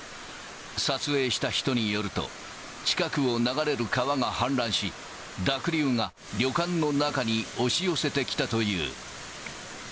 撮影した人によると、近くを流れる川が氾濫し、濁流が旅館の中に押し寄せてきたという。